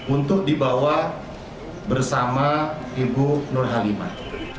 untuk dibawa bersama ibu nur halimah